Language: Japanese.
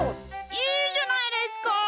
いいじゃないですか。